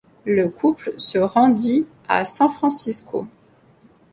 Le couple se rendit à San Francisco.